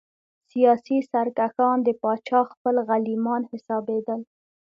سیاسي سرکښان د پاچا خپل غلیمان حسابېدل.